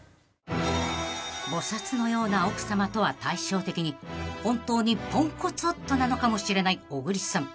［菩薩のような奥さまとは対照的に本当にポンコツ夫なのかもしれない小栗さん］